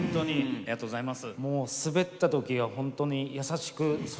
ありがとうございます。